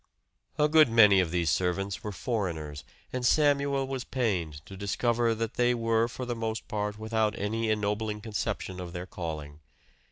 A good many of these servants were foreigners, and Samuel was pained to discover that they were for the most part without any ennobling conception of their calling.